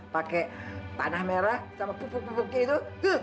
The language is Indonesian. pakai tanah merah sama pupuk pupuk kek itu